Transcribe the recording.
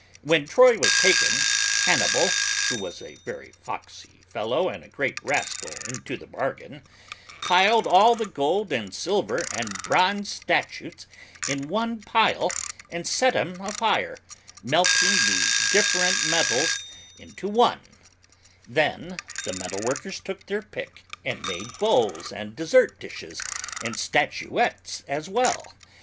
When Troy was taken, Hannibal, who was a very foxy fellow and a great rascal into the bargain, piled all the gold and silver and bronze statues in one pile and set 'em afire, melting these different metals into one: then the metal workers took their pick and made bowls and dessert dishes and statuettes as well.